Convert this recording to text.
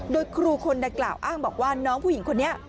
โดยครูคนดังกล่าวอ้างบอกว่าน้องผู้หญิงคนนี้